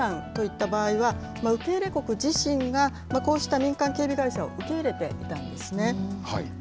ただ、イラクやアフガニスタンといった場合は、受け入れ国自身がこうした民間警備会社を受け入れていたんですね。